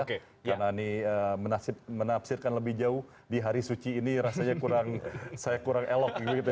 karena ini menafsirkan lebih jauh di hari suci ini rasanya kurang saya kurang elok gitu ya